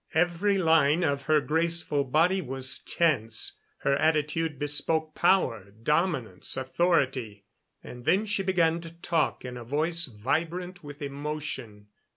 Every line of her graceful body was tense; her attitude bespoke power, dominance, authority. And then she began to talk in a voice vibrant with emotion.